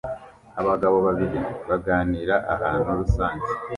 Abagabo babiri baganira ahantu rusange